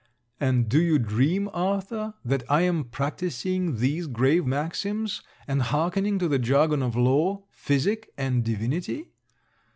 And do you dream, Arthur, that I am practicing these grave maxims, and hearkening to the jargon of law, physic and divinity?